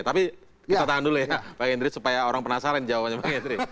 tapi kita tahan dulu ya bang hendri supaya orang penasaran jawabannya bang hendri